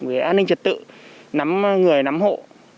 về an ninh trật tự nắm người nắm hộ